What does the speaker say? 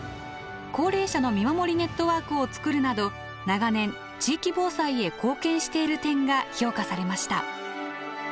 高齢者の見守りネットワークを作るなど長年地域防災へ貢献している点が評価されました。